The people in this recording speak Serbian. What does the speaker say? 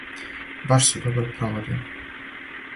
Баш се добро проводим!